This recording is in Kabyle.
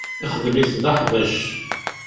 Ixedm-it d aḥbac.